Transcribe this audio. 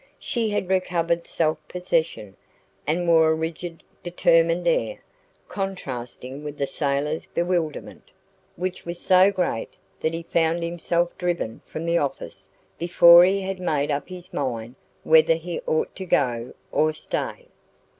She had recovered self possession, and wore a rigid, determined air, contrasting with the sailor's bewilderment, which was so great that he found himself driven from the office before he had made up his mind whether he ought to go or stay.